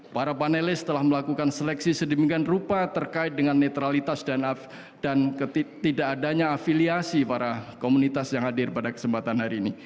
para panelis telah melakukan seleksi sedemikian rupa terkait dengan netralitas dan tidak adanya afiliasi para komunitas yang hadir pada kesempatan hari ini